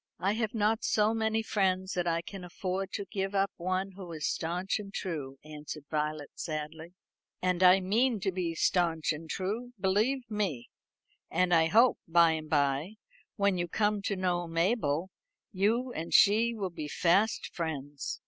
"I have not so many friends that I can afford to give up one who is stanch and true," answered Violet sadly. "And I mean to be stanch and true, believe me; and I hope, by and by, when you come to know Mabel, you and she will be fast friends.